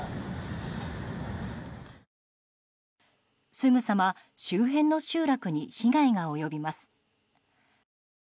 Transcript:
すぐさま周辺の集落に被害が及びます。